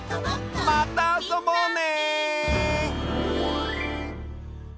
またあそぼうね！